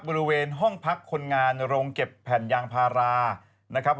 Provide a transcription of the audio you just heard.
บริเวณห้องพักคนงานโรงเก็บแผ่นยางพารานะครับ